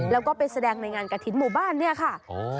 แล้วก็ไปแสดงในงานกระถิ่นหมู่บ้านเนี่ยค่ะ